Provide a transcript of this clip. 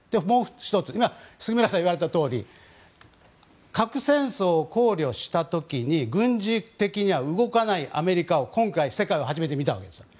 もう１つ今、杉村さんが言われたとおり核戦争を考慮した時に軍事的には動かないアメリカを今回、世界は初めて見たわけです。